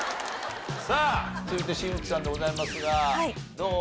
さあ続いて新内さんでございますがどう？